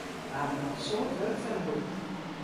Wy hawwe noch in soad wurk foar de boech.